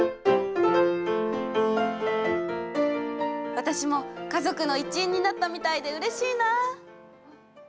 私も家族の一員になったみたいでうれしいな。